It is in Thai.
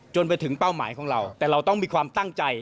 ไปถึงเป้าหมายของเราแต่เราต้องมีความตั้งใจ